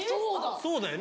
そうだよね。